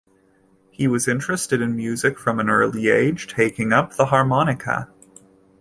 He was interested in music from an early age, taking up the harmonica.